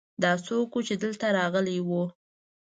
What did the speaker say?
دا څوک ؤ چې دلته راغلی ؤ